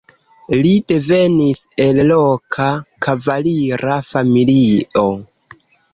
Li devenis el loka kavalira familio.